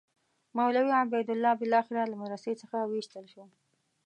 مولوي عبیدالله بالاخره له مدرسې څخه وایستل شو.